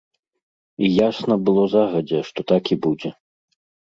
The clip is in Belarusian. І ясна было загадзя, што так і будзе.